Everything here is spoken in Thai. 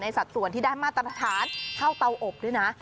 สัดส่วนที่ได้มาตรฐานเข้าเตาอบด้วยนะ